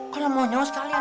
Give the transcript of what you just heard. kalau mau nyawa sekalian